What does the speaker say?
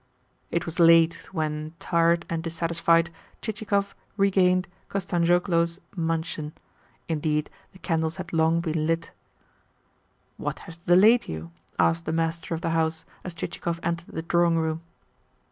It was late when, tired and dissatisfied, Chichikov regained Kostanzhoglo's mansion. Indeed, the candles had long been lit. "What has delayed you?" asked the master of the house as Chichikov entered the drawing room.